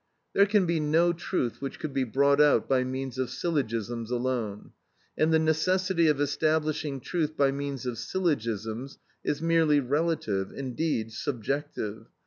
There can be no truth which could be brought out by means of syllogisms alone; and the necessity of establishing truth by means of syllogisms is merely relative, indeed subjective.